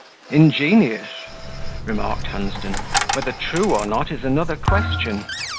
"Ingenious," remarked Hunsden; "whether true or not is another question.